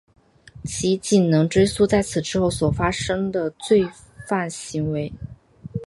其仅能追诉在此之后所发生的犯罪行为。